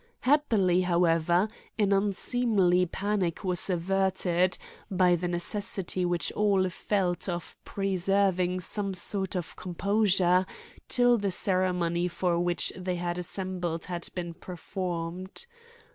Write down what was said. Happily, however, an unseemly panic was averted, by the necessity which all felt of preserving some sort of composure till the ceremony for which they had assembled had been performed.